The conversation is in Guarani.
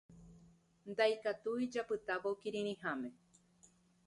Ndaikatúi japytávo kirirĩháme.